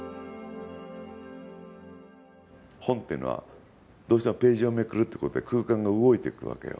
本っていうのはどうしてもページをめくるってことで空間が動いていくわけよ。